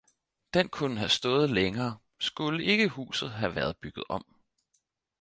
den kunne have stået længere, skulle ikke huset have været bygget om.